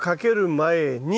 前に。